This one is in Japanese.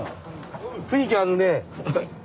雰囲気あるねえ。